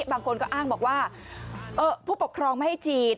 บางคนก็อ้างบอกว่าผู้ปกครองไม่ให้ฉีด